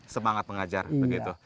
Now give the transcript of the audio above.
semangat mengajar begitu